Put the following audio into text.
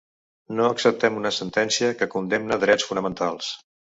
No acceptem una sentència que condemna drets fonamentals.